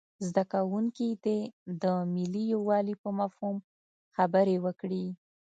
زده کوونکي دې د ملي یووالي په مفهوم خبرې وکړي.